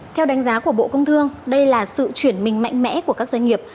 theo đánh giá của bộ công thương đây là sự chuyển mình mạnh mẽ của các doanh nghiệp